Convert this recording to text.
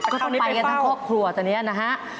ก็ต้องไปกันทั้งครอบครัวตอนนี้นะฮะ